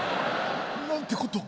何てことを！